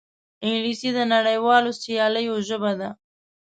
انګلیسي د نړیوالو سیالیو ژبه ده